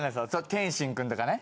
天心くんとかね。